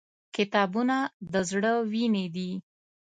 • کتابونه د زړه وینې دي.